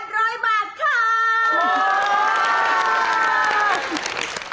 ๖๘๐๐บาทครับ